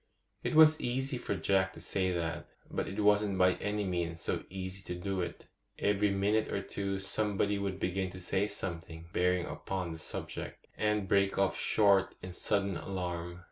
It was easy for Jack to say that, but it wasn't by any means so easy to do it. Every minute or two somebody would begin to say something bearing upon the subject, and break off short in sudden alarm.